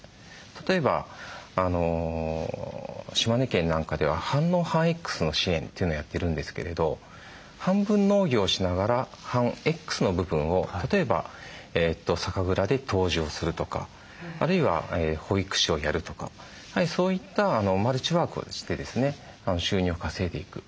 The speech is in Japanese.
例えば島根県なんかでは半農半Ｘの支援というのをやってるんですけれど半分農業をしながら半Ｘの部分を例えば酒蔵で杜氏をするとかあるいは保育士をやるとかそういったマルチワークをしてですね収入を稼いでいく。